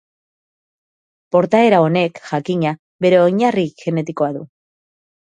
Portaera honek, jakina, bere oinarri genetikoa du.